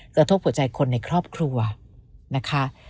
กระทบหัวใจคนในครอบครัวนะคะ